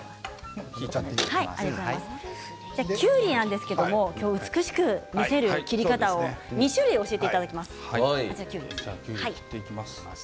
きゅうりなんですけども美しく見せる切り方を２種類、教えていただきます。